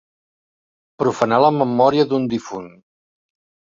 Profanar la memòria d'un difunt.